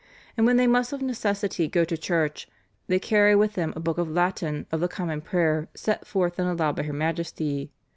And when they must of necessity go to church, they carry with them a book of Latin of the Common Prayer set forth and allowed by her Majesty.